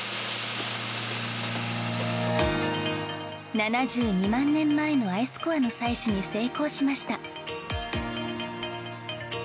７２万年前のアイスコアの採取に成功しました。